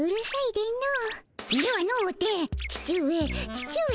父上。